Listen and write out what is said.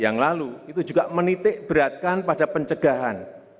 yang lalu itu juga menitik beratkan pada pencegahan